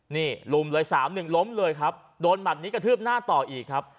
นี่ลุมเลย๓๑ล้มเลยครับโดนหมัดนี้กระทืบหน้าต่ออีกครับ